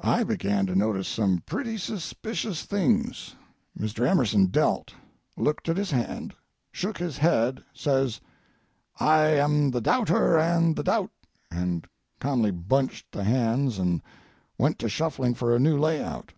I began to notice some pretty suspicious things. Mr. Emerson dealt, looked at his hand, shook his head, says: "'I am the doubter and the doubt ' and ca'mly bunched the hands and went to shuffling for a new layout.